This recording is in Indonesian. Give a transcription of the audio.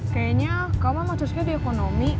kayaknya kamu emang terusnya di ekonomi